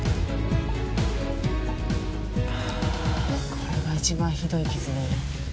これが一番ひどい傷ね。